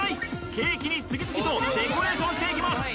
ケーキに次々とデコレーションしていきます